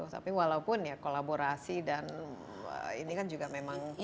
tapi walaupun ya kolaborasi dan ini kan juga memang